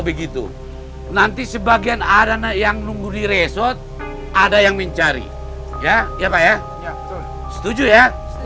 begitu nanti sebagian ada yang nunggu di resort ada yang mencari ya ya pak ya setuju ya